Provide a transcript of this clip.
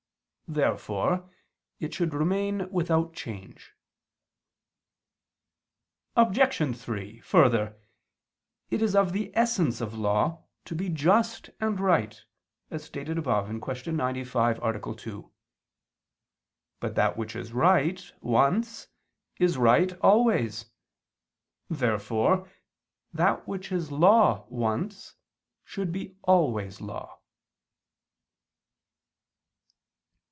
Therefore it should remain without change. Obj. 3: Further, it is of the essence of law to be just and right, as stated above (Q. 95, A. 2). But that which is right once is right always. Therefore that which is law once, should be always law.